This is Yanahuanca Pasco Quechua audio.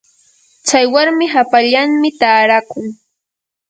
tsay warmi hapallanmi taarakun.